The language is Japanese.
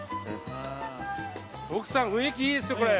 徳さん雰囲気いいですよこれ。